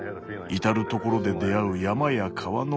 至る所で出会う山や川の美しさ。